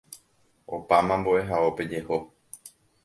Opáma mbo'ehaópe jeho.